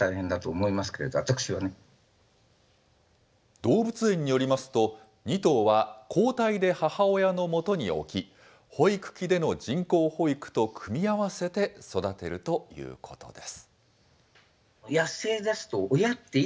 動物園によりますと、２頭は交代で母親のもとに置き、保育器での人工保育と組み合わせて育てるということです。